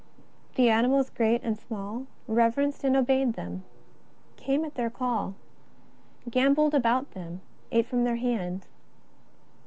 The animals great and small reverenced and obeyed them, came at their call, gambolled about them, ate from their hand.